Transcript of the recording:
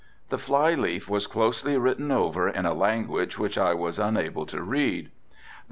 The fly leaf was closely written over in a language which I was unable to read.